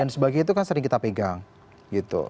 dan sebagainya itu kan sering kita pegang gitu